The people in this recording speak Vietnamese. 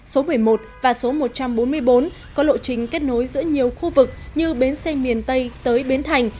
số một mươi một và số một trăm bốn mươi bốn có lộ trình kết nối giữa nhiều khu vực như bến xe miền tây tới bến thành